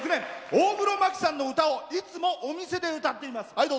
大黒摩季さんの歌をいつもお店で歌っています。